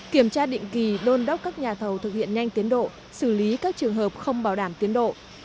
kiểm tra định kỳ đôn đốc các nhà thầu thực hiện nhanh tiến độ xử lý các trường hợp không bảo đảm tiến độ